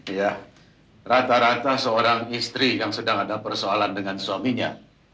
ya rata rata seorang istri yang sedang ada persoalan dengan suaminya